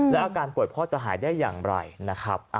แล้วอาการป่วยพ่อจะหายได้อย่างไรนะครับ